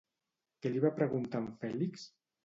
Què li va preguntar en Fèlix?